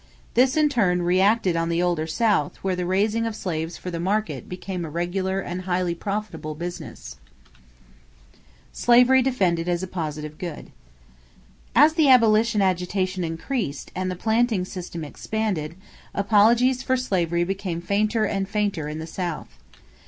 This in turn reacted on the older South where the raising of slaves for the market became a regular and highly profitable business. [Illustration: From an old print JOHN C. CALHOUN] =Slavery Defended as a Positive Good.= As the abolition agitation increased and the planting system expanded, apologies for slavery became fainter and fainter in the South.